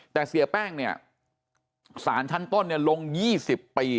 แต่เสียแป้งเนี่ยสารชั้นต้นลง๒๐ปี